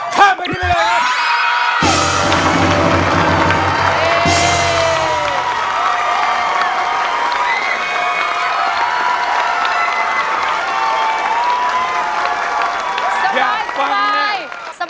ข้ามไปที่นี่ครับ